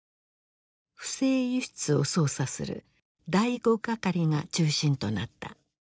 不正輸出を捜査する第五係が中心となった。